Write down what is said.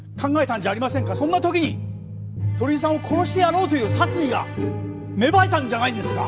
そんな時に鳥居さんを殺してやろうという殺意が芽生えたんじゃないんですか？